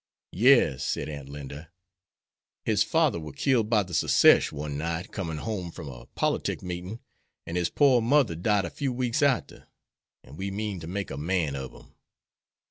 "Yes," said Aunt Linda, "his fadder war killed by the Secesh, one night, comin' home from a politic meetin', an' his pore mudder died a few weeks arter, an' we mean to make a man ob him."